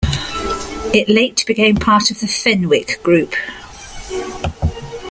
It late became part of the Fenwick group.